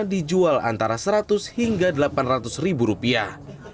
dijual antara seratus hingga delapan ratus ribu rupiah